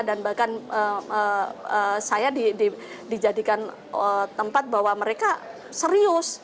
dan bahkan saya dijadikan tempat bahwa mereka serius